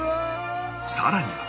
さらには